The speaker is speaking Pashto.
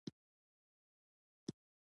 وس بېنوا ناست يم وچ دهن، خاطر ناشاده